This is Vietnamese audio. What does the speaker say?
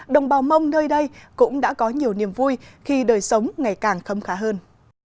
đồng bào mong nơi đây cũng đã có nhiều niềm vui khi đời sống ngày càng khâm khá hơn